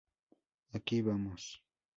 Aquí vamos!